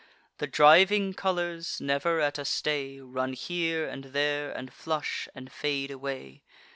The driving colours, never at a stay, Run here and there, and flush, and fade away.